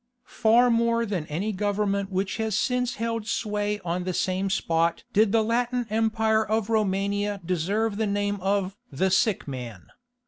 Far more than any government which has since held sway on the same spot did the Latin Empire of Romania deserve the name of "the Sick Man."